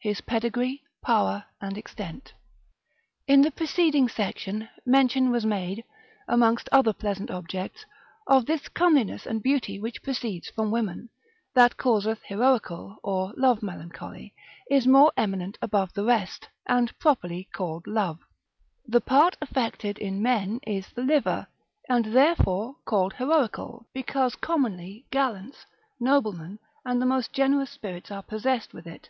His Pedigree, Power, and Extent_. In the preceding section mention was made, amongst other pleasant objects, of this comeliness and beauty which proceeds from women, that causeth heroical, or love melancholy, is more eminent above the rest, and properly called love. The part affected in men is the liver, and therefore called heroical, because commonly gallants. Noblemen, and the most generous spirits are possessed with it.